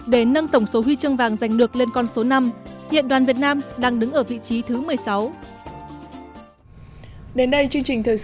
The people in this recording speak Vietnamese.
để nâng tổng số huy chương vàng giành được lên con số năm hiện đoàn việt nam đang đứng ở vị trí thứ một mươi sáu